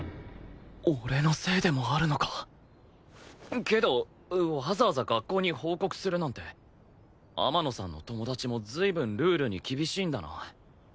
俺のせいでもあるのかけどわざわざ学校に報告するなんて天野さんの友達も随分ルールに厳しいんだな。